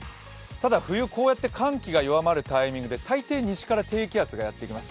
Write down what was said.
ただ冬、こうやって寒気が弱まるタイミングで大抵、西から高気圧がやってきます。